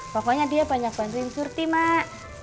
pokoknya dia banyak bantuin curti mak